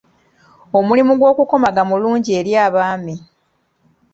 Omulimu gw’okukomaga mulungi eri abaami.